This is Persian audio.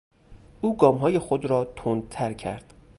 او گامهای خود را تندتر کرد.